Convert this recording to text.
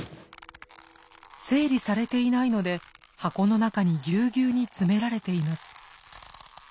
整理されていないので箱の中にギューギューに詰められています。